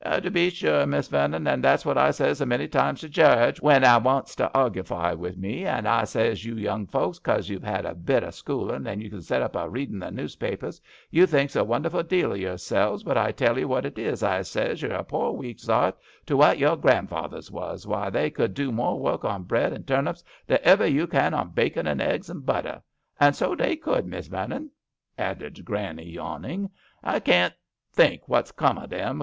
"To be zure. Miss Vernon; that's what I zays a many times to Jarge when 'a wants to arguefy wi' me. * Ah !' I zays, * you young folks, cos you've 'ad a bit o' schoolin' and can zet up a readin' the newspapers, you GRANNY LOVELOCK AT HOME. 171 thinks a wonderful deal o' your selves ; but I tell 'ee what it is/ I zays, * you're a poor weak sart to what your grandfathers was. Why, they could do more work on bread and turnips than iver you can on bacon and eggs and butter.* And so they could, Miss Vernon," added Granny, yawn ing. " I caen't think what's come to them.